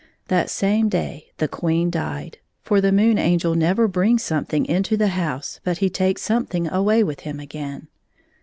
That same day the Queen died — for the Moon Angel never brings something into the house but he takes something away with him again.